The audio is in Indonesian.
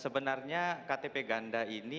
sebenarnya ktp ganda ini